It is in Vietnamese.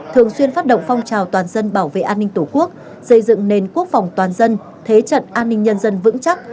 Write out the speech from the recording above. thường xuyên phát động phong trào toàn dân bảo vệ an ninh tổ quốc xây dựng nền quốc phòng toàn dân thế trận an ninh nhân dân vững chắc